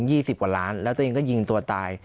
ยี่สิบกว่าล้านแล้วก็ยิงตัวตาย